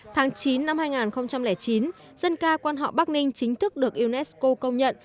tháng chín năm hai nghìn chín dân ca quan họ bắc ninh chính thức được unesco công nhận